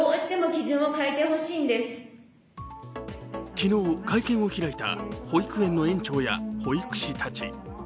昨日、会見を開いた保育園の園長や保育士たち。